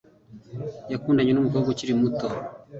Yakundanye numukobwa ukiri muto.